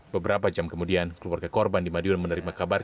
beberapa jam kemudian keluarga korban di madiun menerima kabar